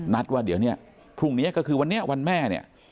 นัดว่าเดี๋ยวนี้พรุ่งนี้ก็คือวันแม่